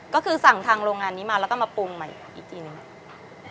ก็คือสั่งทางโรงงานนี้มาแล้วก็มาปรุงใหม่อีกทีหนึ่ง